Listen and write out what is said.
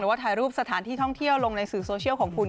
ว่าถ่ายรูปสถานที่ท่องเที่ยวลงในสื่อโซเชียลของคุณ